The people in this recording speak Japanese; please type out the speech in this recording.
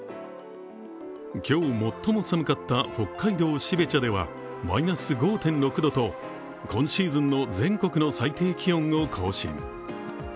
今日最も寒かった北海道・標茶ではマイナス５．６度と今シーズンの全国の最低気温を更新。